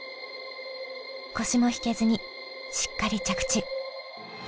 腰も引けずにしっかり着地。